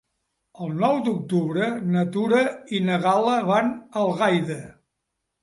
El nou d'octubre na Tura i na Gal·la van a Algaida.